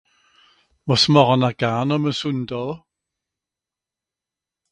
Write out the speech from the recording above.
wàs màchen'r garn àm à sùndaa